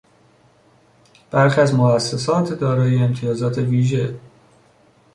برخی از موسسات دارای امتیازات ویژه